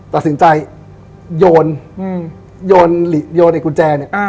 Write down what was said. ตัดสินใจโยนไอ้กุญแจ